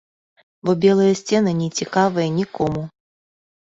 Бо белыя сцены не цікавыя нікому.